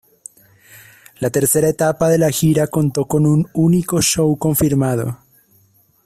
La tercera etapa de la gira contó con un único show confirmado.